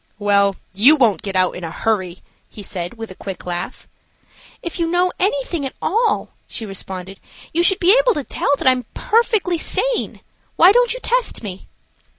"Well, you won't get out in a hurry," he said, with a quick laugh. "If you know anything at all," she responded, "you should be able to tell that I am perfectly sane. Why don't you test me?"